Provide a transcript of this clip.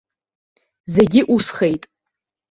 Зегьы усхеит.